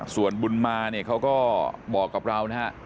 ส่วนบุญมาเนี่ยเขาก็บอกกับเรานะฮะ